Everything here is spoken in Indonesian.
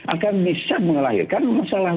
akan bisa melahirkan masalah